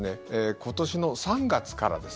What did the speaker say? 今年の３月からです。